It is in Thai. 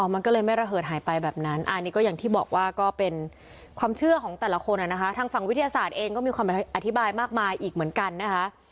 มันก็เลยไม่ระเหิดหายไปแบบนั้นอันนี้ก็อย่างที่บอกว่าก็เป็นความเชื่อของแต่ละคนนะคะทางฝั่งวิทยาศาสตร์เองก็มีความอธิบายมากมายอีกเหมือนกันนะคะ